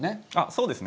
そうですね。